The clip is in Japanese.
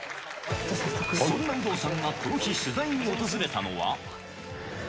そんな有働さんがこの日、取材に訪れたのは。